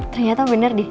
ternyata bener deh